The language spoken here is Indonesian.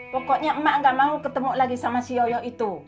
pokoknya emak gak mau ketemu lagi sama si yoyo itu